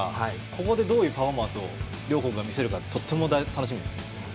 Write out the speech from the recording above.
ここでどういうパフォーマンスを両国が見せるかがとても楽しみです。